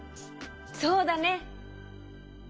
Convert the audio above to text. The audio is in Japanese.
そうだね！